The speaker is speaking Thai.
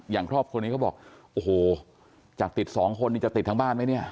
อย่างครอบครัวนี้เขาบอกโอ้โหจากติดสองคนนี่จะติดทั้งบ้านไหมเนี่ย